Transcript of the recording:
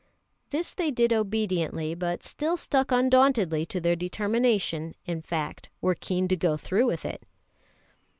This they did obediently, but still stuck undauntedly to their determination, in fact, were keen to go through with it.